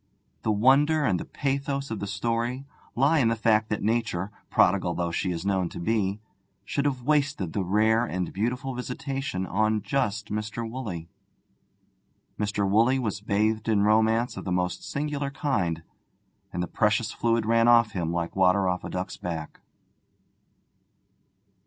The wonder and the pathos of the story lie in the fact that Nature, prodigal though she is known to be, should have wasted the rare and beautiful visitation on just Mr. Woolley. Mr. Woolley was bathed in romance of the most singular kind, and the precious fluid ran off him like water off a duck's back.